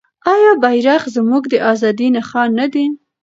آیا بیرغ زموږ د ازادۍ نښان نه دی؟